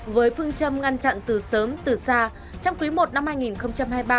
với phương châm ngăn chặn từ sớm từ xa trong quý i năm hai nghìn hai mươi ba